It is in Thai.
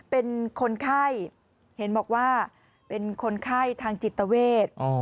เป็นคนไข้เห็นบอกว่าเป็นคนไข้ทางจิตเวท